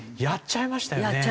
やっちゃいました。